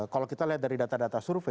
kalau kita lihat dari data data survei